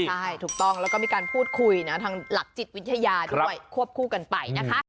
ใช่ถูกต้องแล้วก็มีการพูดคุยนะทางหลักจิตวิทยาด้วยควบคู่กันไปนะคะ